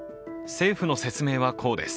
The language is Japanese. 政府の説明はこうです。